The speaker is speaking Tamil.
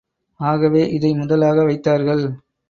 ஆகவே, இதை முதலாக வைத்தார்கள்.